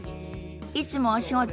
いつもお仕事